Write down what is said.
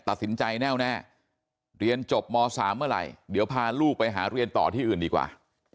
ตัดสินใจแน่วแน่เรียนจบม๓เมื่อไหร่เดี๋ยวพาลูกไปหาเรียนต่อที่อื่นดีกว่า